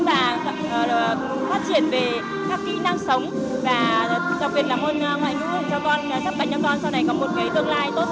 và phát triển về các kỹ năng sống và đặc biệt là hỗn hợp cho con sắp bánh cho con sau này có một tương lai tốt hơn